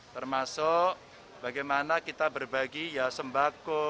termasuk bagaimana kita berbagi ya sembako